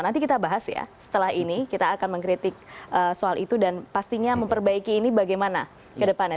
nanti kita bahas ya setelah ini kita akan mengkritik soal itu dan pastinya memperbaiki ini bagaimana ke depannya